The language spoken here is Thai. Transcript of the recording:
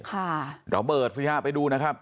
ค่ะเดี๋ยวเปิดซีฮะไปดูนะครับ